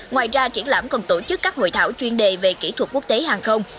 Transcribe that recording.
ngoài ra triển lãm còn tổ chức các hội thảo chuyên đề về kỹ thuật quốc tế hàng không